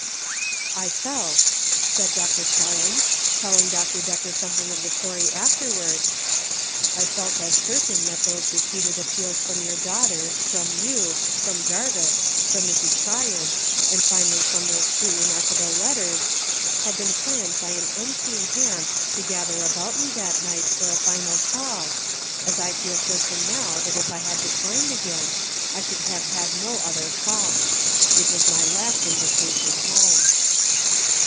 "I felt," said Dr. Kelland, telhng Dr. Decker something of the story afterwards, " I felt as cer tain that those repeated appeals from your daughter, from you, from Jarvis, from Mrs. Tryon, and finally from those two remarkable letters, had been planned by an unseen hand to gather about me that night for a final call, as I feel certain now that if I had declined again, I should have had no other call. It was my last invitation home."